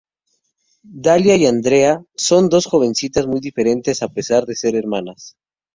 Dalia y Andrea son dos jovencitas muy diferentes a pesar de ser hermanas.